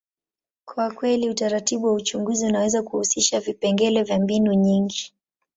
kwa kweli, utaratibu wa uchunguzi unaweza kuhusisha vipengele vya mbinu nyingi.